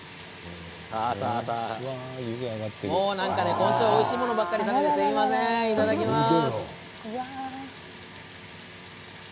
今週はおいしいものばかりですみませんいただきます。